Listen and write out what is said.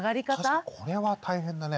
確かにこれは大変だね。